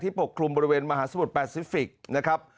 ปกคลุมบริเวณมหาสมุทรแปซิฟิกส์นะครับ